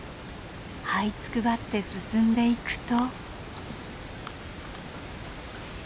はいつくばって進んでいくと。